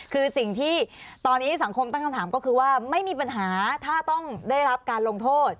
คือสิ่งที่ตอนนี้สังคมตั้งคำถามก็คือว่าไม่มีปัญหาถ้าต้องได้รับการลงโทษ